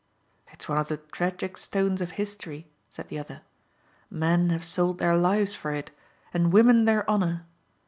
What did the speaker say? "It's one of the tragic stones of history," said the other. "Men have sold their lives for it, and women their honor.